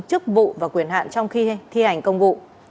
chức vụ và quyền hạn trong khi thi hành công vụ